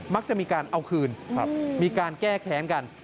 มักจะมีการเอาคืนมีการแก้แค้นกัน